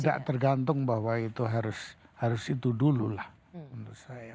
tidak tergantung bahwa itu harus itu dulu lah menurut saya